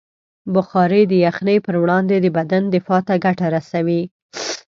بخاري د یخنۍ پر وړاندې د بدن دفاع ته ګټه رسوي.